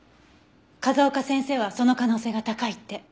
風丘先生はその可能性が高いって。